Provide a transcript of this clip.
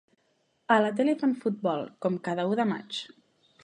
A la tele fan futbol, com cada u de maig.